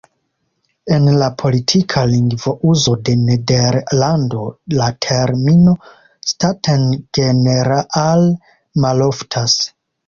En la politika lingvouzo de Nederlando la termino „"Staten-Generaal"“ maloftas.